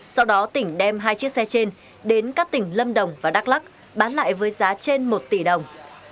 sau đó tỉnh đem hai chiếc xe trên đến các tỉnh lâm đồng và đắk lắc bán lại với giá trên một tỷ đồng